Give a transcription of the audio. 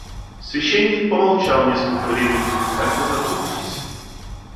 Священник помолчал несколько времени, как бы задумавшись.